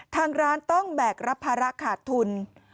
ทางร้านต้องแบกรับภาระขาดทุน